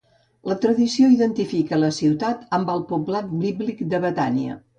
La tradició identifica la ciutat amb el poblat bíblic de Betània.